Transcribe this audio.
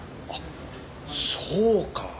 あっそうか。